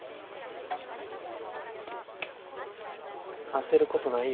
焦ることないよ。